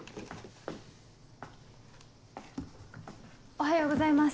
おはようございます。